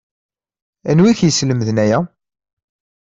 Anwi i k-yeslemden aya